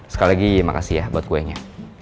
sekali lagi makasih ya buat kuenya